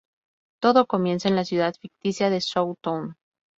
Todo comienza en la ciudad ficticia de South Town.